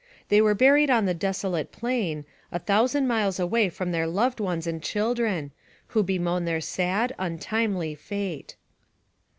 They were buried on the desolate plain, a thousand miles away from their loved wives and children, who bemoan their sad, untimely fate.